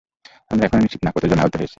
আমরা এখনও নিশ্চিত না কতজন আহত হয়েছে।